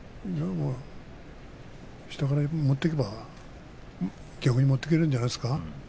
下から持っていけば逆に持っていけるんじゃないですか。